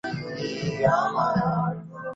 আব্বু, আগুন লেগেছে নাকি?